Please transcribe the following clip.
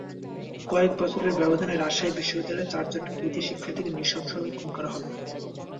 কয়েক বছরের ব্যবধানে রাজশাহী বিশ্ববিদ্যালয়ে চারজন কৃতী শিক্ষককে নৃশংসভাবে খুন করা হলো।